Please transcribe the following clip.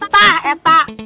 tak eh tak